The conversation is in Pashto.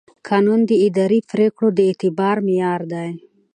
قانون د اداري پرېکړو د اعتبار معیار دی.